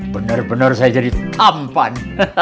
bener bener saya jadi tampan